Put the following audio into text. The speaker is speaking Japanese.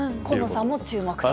近野さんも注目と。